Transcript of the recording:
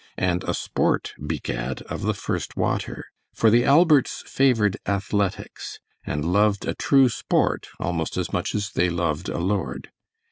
and a sport, begad, of the first water; for the Alberts favored athletics, and loved a true sport almost as much as they loved a lord.